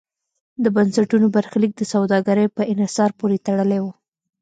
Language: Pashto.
د بنسټونو برخلیک د سوداګرۍ په انحصار پورې تړلی و.